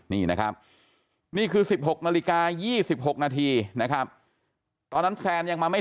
นี่นะครับนี่คือ๑๖นาฬิกา๒๖นาทีนะครับตอนนั้นแซนยังมาไม่